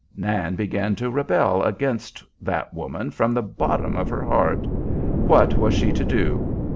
Nan began to rebel against that woman from the bottom of her heart. What was she to do?